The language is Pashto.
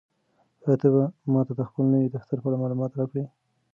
آیا ته به ماته د خپل نوي دفتر په اړه معلومات راکړې؟